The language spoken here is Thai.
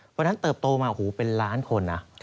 เพราะฉะนั้นเติบโตมาโอ้โหเป็นล้านคนนะ